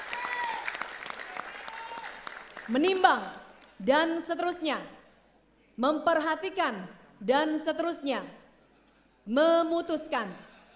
saya menimbang dan seterusnya memperhatikan dan seterusnya memutuskan